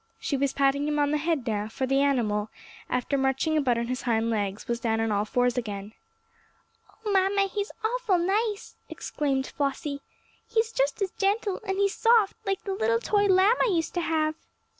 She was patting him on the head now, for the animal, after marching about on his hind legs, was down on all fours again. "Oh, mamma, he's awful nice!" exclaimed Flossie. "He's just as gentle, and he's soft, like the little toy lamb I used to have."